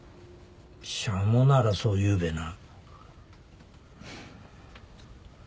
シャモならそう言うべな。